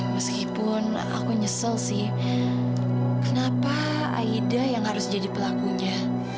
meskipun aku nyesel sih kenapa aida yang harus jadi pelakunya